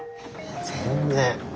全然。